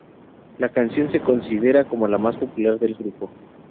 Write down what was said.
La canción es considerada como la más popular del grupo.